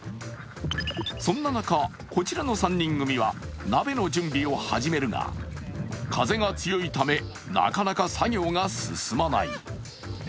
そんな中、こちらの３人組は鍋の準備を始めるが風が強いためなかなか作業が進まない。